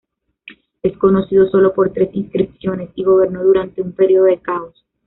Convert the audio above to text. Es conocido, sólo por tres inscripciones, y gobernó durante un período de caos.